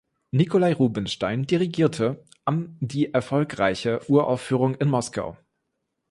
Nikolai Rubinstein dirigierte am die erfolgreiche Uraufführung in Moskau.